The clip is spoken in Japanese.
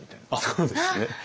そうですね。